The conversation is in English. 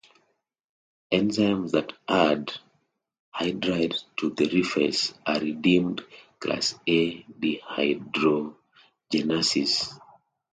Enzymes that add hydride to the re face are deemed Class A dehydrogenases.